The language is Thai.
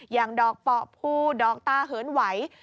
อย่างดอกเปาะภูดอกตาเหินไหว